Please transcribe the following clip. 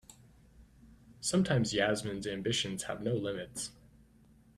Sometimes Yasmin's ambitions have no limits.